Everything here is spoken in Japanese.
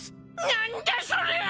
何だそりゃあ！